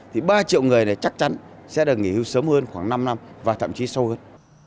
thì ba triệu người này chắc chắn sẽ được nghỉ hưu sớm hơn khoảng năm năm và thậm chí sâu hơn